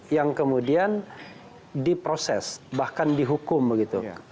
yang kemudian diproses bahkan dihukum begitu